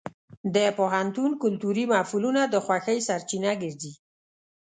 د پوهنتون کلتوري محفلونه د خوښۍ سرچینه ګرځي.